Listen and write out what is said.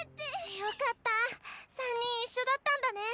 よかった３人一緒だったんだね。